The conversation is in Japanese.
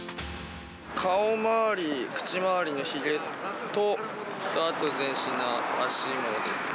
顔周り、口周りのひげと、あと全身、脚もですね。